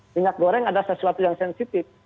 minyak goreng adalah sesuatu yang sensitif